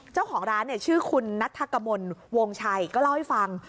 เจ้าของร้านเนี่ยชื่อคุณนัทธกมลวงชัยก็เล่าให้ฟัง